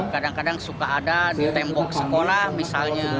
kadang kadang suka ada di tembok sekolah misalnya